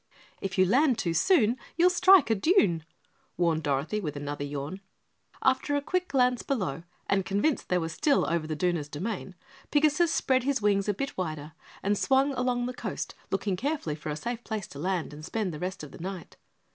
"If you land too soon, you'll strike a dune," warned Dorothy with another yawn. And after a quick glance below, and convinced they were still over the Dooner's domain, Pigasus spread his wings a bit wider and swung along the coast looking carefully for a safe place to land and spend the rest of the night.